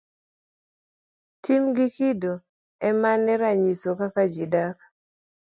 Tim gi kido emane ranyiso kaka ji dak.